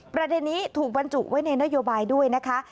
ประเด็นนี้ถูกบรรจุไว้ในนโยบายด้วยนะคะ